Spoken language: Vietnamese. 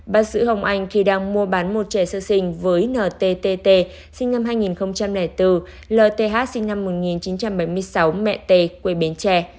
bác sĩ hồng anh khi đang mua bán một trẻ sơ sinh với ntt sinh năm hai nghìn bốn lth sinh năm một nghìn chín trăm bảy mươi sáu mẹ t quê bến tre